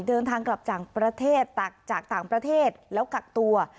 เดินทางกลับจากประเทศจากต่างประเทศแล้วกักตัว